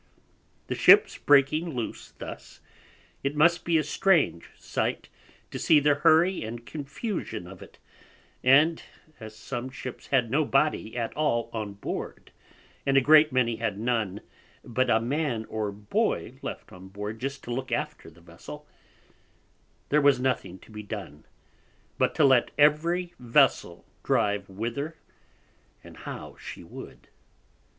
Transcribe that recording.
The Ships breaking loose thus, it must be a strange sight to see the Hurry and Confusion of it, and as some Ships had no Body at all on Board, and a great many had none but a Man or Boy left on Board just to look after the Vessel, there was nothing to be done, but to let every Vessel drive whither and how she would.